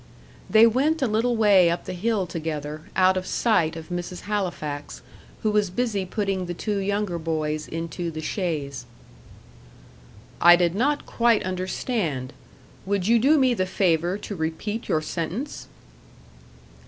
They went a little way up the hill together, out of sight of Mrs. Halifax, who was busy putting the two younger boys into the chaise. "I did not quite understand. Would you do me the favour to repeat your sentence?"